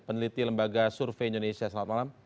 peneliti lembaga survei indonesia selamat malam